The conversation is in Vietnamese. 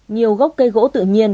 nhiều gốc cây gỗ tự nhiên